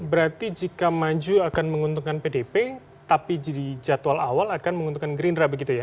berarti jika maju akan menguntungkan pdp tapi jadi jadwal awal akan menguntungkan gerindra begitu ya